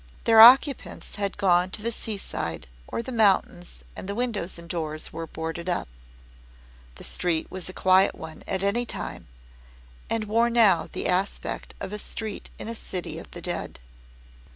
Their occupants had gone to the seaside or the mountains and the windows and doors were boarded up. The street was a quiet one at any time, and wore now the aspect of a street in a city of the dead.